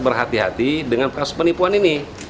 berhati hati dengan kasus penipuan ini